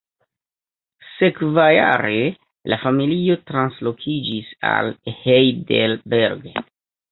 Sekvajare, la familio translokiĝis al Heidelberg.